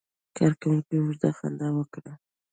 کارکونکي اوږده خندا وکړه.